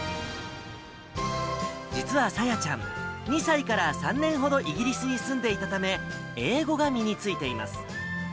実はさやちゃん、２歳から３年ほどイギリスに住んでいたため、英語が身についています。